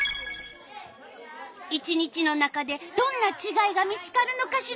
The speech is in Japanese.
１日の中でどんなちがいが見つかるのかしら。